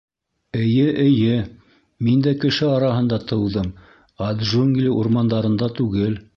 Эйе-эйе, мин дә кеше араһында тыуҙым, ә джунгли урмандарында түгел.